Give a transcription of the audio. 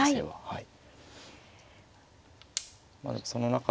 はい。